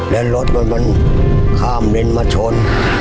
แล้วรถมันข้ามเลนมาชน